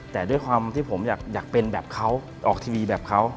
แต่ด้วยความที่ผมอยากเป็นแบบเขาออกทีวีแบบเขา